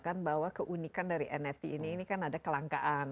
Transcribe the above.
karena keunikan dari nft ini kan ada kelangkaan